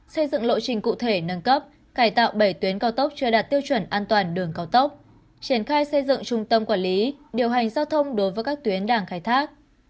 xây dựng lộ trình cụ thể nâng cấp cải tạo bảy tuyến cao tốc chưa đạt tiêu chuẩn an toàn đường cao tốc triển khai xây dựng trung tâm quản lý điều hành giao thông đối với các tuyến đảng khai thác